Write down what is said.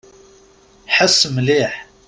Ḥess mliḥ.